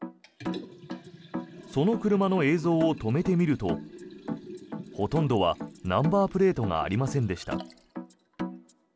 その車の映像を止めてみるとほとんどはナンバープレートがありませんでした。